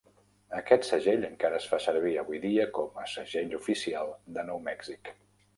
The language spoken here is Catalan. Aquest segell encara es fa servir avui dia com a segell oficial de Nou Mèxic.